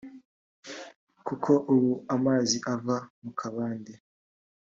kuko ubu amazi ava mu kabande